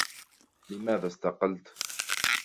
لماذا استقلت ؟